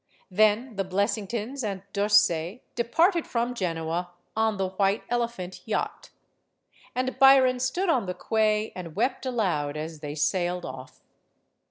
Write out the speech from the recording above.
Then the Blessingtons and D'Orsay departed from Genoa on the white elephant yacht. And Byron stood on the quay and wept aloud as they sailed off.